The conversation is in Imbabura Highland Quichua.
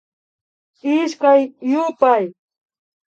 Ishkay yupay